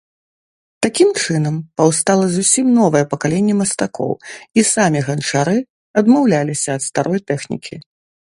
Такім чынам, паўстала зусім новае пакаленне мастакоў, і самі ганчары адмаўляліся ад старой тэхнікі.